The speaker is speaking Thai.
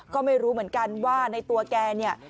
ก็ไม่รู้เหมือนกันว่าในตัวแกเนี่ย